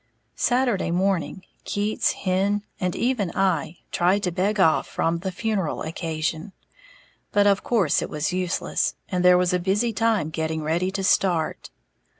Saturday morning, Keats, Hen and even I tried to beg off from the funeral occasion; but of course it was useless; and there was a busy time getting ready to start.